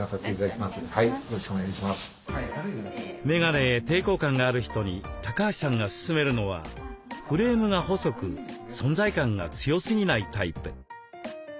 メガネへ抵抗感がある人に橋さんが勧めるのはフレームが細く存在感が強すぎないタイプ。